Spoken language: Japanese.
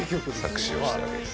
作詞をしたわけです。